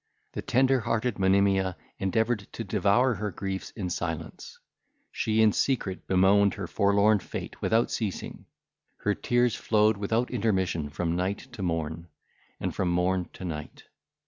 The tender hearted Monimia endeavoured to devour her griefs in silence; she in secret bemoaned her forlorn fate without ceasing; her tears flowed without intermission from night to morn, and from morn to night.